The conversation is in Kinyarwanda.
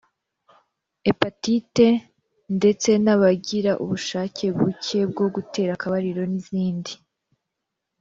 hepatite ndtse n’abagira ubushake buke bwo gutera akabariro n’izindi